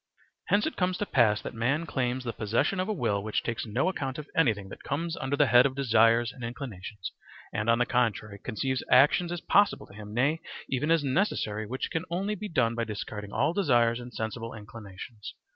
Hence it comes to pass that man claims the possession of a will which takes no account of anything that comes under the head of desires and inclinations and, on the contrary, conceives actions as possible to him, nay, even as necessary which can only be done by disregarding all desires and sensible inclinations.